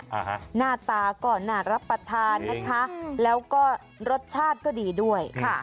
อ่าฮะหน้าตาก็น่ารับประทานนะคะแล้วก็รสชาติก็ดีด้วยค่ะ